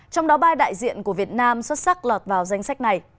trong đó ba đại diện của việt nam xuất sắc lọt vào danh sách này